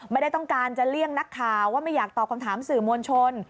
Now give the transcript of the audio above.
ไม่ได้ต้องการจะเลี่ยงนักข่าวว่าไม่อยากตอบคำถามสื่อมวลชน